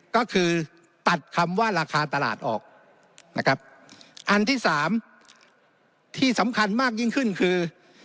ก็คือตัดคำว่าราคาตลาดออกนะครับอันที่สามที่สำคัญมากยิ่งขึ้นคือ